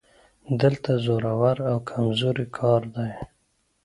دلته زورور او کمزوری کار دی